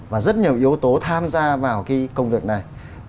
và rất nhiều yếu tố tham gia vào cái công việc này